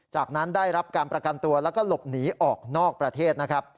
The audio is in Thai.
จากนั้นได้รับการประกันตัวแล้วก็หลบหนีออกนอกประเทศนะครับ